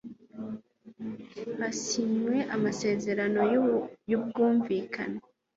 hasinywe amasezerano y'ubwumvikane